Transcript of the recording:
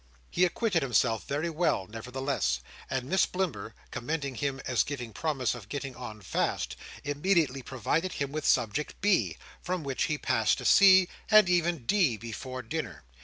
He acquitted himself very well, nevertheless; and Miss Blimber, commending him as giving promise of getting on fast, immediately provided him with subject B; from which he passed to C, and even D before dinner.